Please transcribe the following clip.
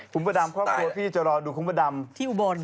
คุณประดำครอบครัวพี่จะรอดูคุณพระดำที่อุบล